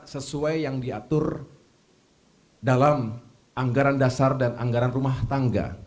sesuai yang diatur dalam anggaran dasar dan anggaran rumah tangga